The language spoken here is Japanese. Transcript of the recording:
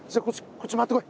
こっち回ってこい。